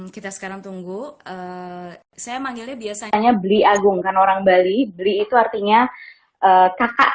kita sekarang tunggu saya manggilnya biasanya beli agung kan orang bali beli itu artinya kakak